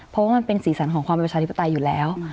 เพราะว่ามันเป็นสีสันของความเป็นประชาธิปไตยอยู่แล้ว